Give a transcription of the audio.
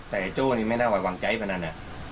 แต่โจไม่ได้ไว้วังใจมานั้น